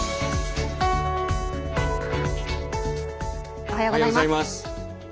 おはようございます。